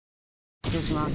失礼します。